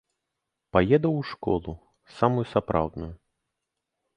Паеду ў школу, самую сапраўдную.